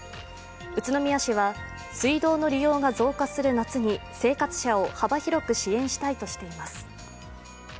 宇都宮市は水道の利用が増加する夏に生活者を幅広く支援したいとしています。